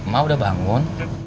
ma udah bangun